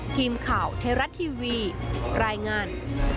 ครีมข่าวเทราะทีวีรายงาน